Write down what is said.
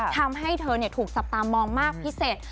ทำให้เธอถูกจับตามองมากพิเศษ